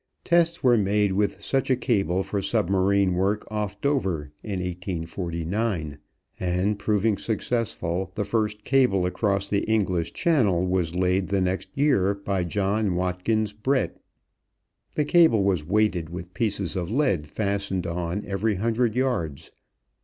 Tests were made with such a cable for submarine work off Dover in 1849, and, proving successful, the first cable across the English Channel was laid the next year by John Watkins Brett. The cable was weighted with pieces of lead fastened on every hundred yards.